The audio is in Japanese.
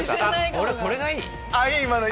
俺これがいい。